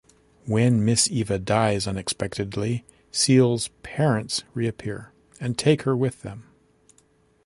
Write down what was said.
When Miss Eva dies unexpectedly, Ciel's parents reappear, and take her with them.